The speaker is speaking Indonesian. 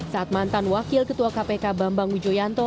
saat mantan wakil ketua kpk bambang wijoyanto